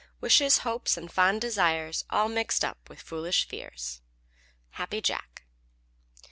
Wishes, hopes, and fond desires All mixed up with foolish fears. _Happy Jack.